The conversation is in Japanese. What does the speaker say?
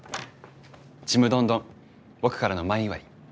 ちむどんどん僕からの前祝い。